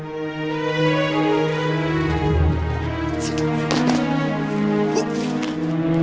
saya harus mengembangkan